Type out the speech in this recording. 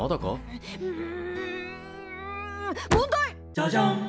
「ジャジャン」